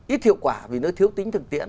ít hiệu quả vì nó thiếu tính thực tiễn